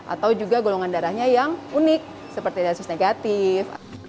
atau juga golongan darahnya yang unik seperti dasus negatif